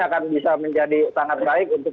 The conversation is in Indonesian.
akan bisa menjadi sangat baik untuk